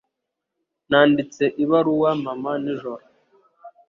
Nanditse ibaruwa mama nijoro.